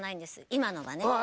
今のはね。